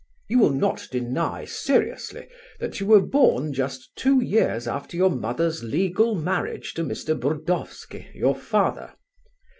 "You will not deny, seriously, that you were born just two years after your mother's legal marriage to Mr. Burdovsky, your father.